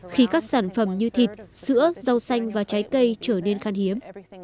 khi các sản phẩm như thịt sữa rau xanh và trái cây trở nên khăn hiếm